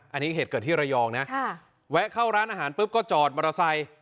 อันนี้เหตุเกิดที่ระยองนะแวะเข้าร้านอาหารปุ๊บก็จอดมอเตอร์ไซค์